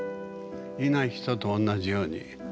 いない人と同じように。